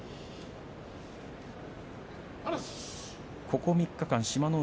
ここ３日間、志摩ノ